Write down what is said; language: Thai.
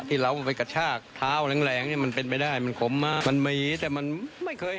ที่เราไปกระชากเท้าแรงแรงเนี่ยมันเป็นไปได้มันขมมากมันมีแต่มันไม่เคย